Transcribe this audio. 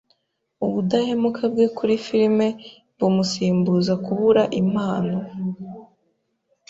Ubudahemuka bwe kuri firime bumusimbuza kubura impano.